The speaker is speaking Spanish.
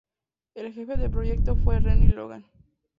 El jefe de proyecto fue Renny Logan.